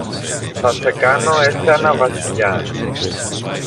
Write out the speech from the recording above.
Θα σε κάνω εσένα Βασιλιά!